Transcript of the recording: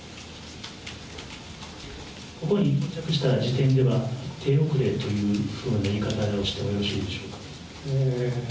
ここに到着した時点では、手遅れというふうな言い方をしてよろしいでしょうか？